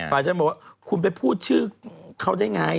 ฝ่ายฉันบอกว่าคุณไปพูดชื่อเขาได้ไง